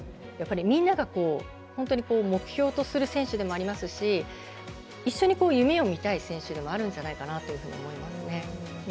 やっぱりみんなが本当に目標とする選手でもありますし一緒に夢を見たい選手でもあるんじゃないかなと思いますね。